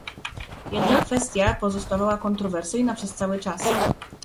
Jedna kwestia pozostawała kontrowersyjna przez cały czas